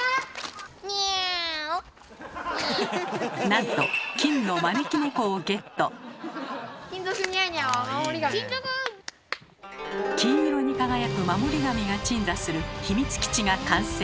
なんと金色に輝く守り神が鎮座する秘密基地が完成。